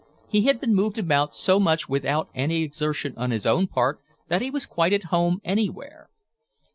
He had been moved about so much without any exertion on his own part that he was quite at home anywhere.